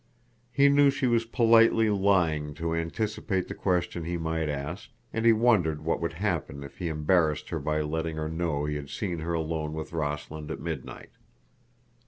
He knew she was politely lying to anticipate the question he might ask, and he wondered what would happen if he embarrassed her by letting her know he had seen her alone with Rossland at midnight.